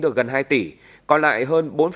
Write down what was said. được gần hai tỷ còn lại hơn